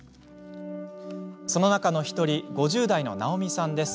その中の１人５０代の、なおみさんです。